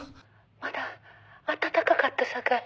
「まだ温かかったさかい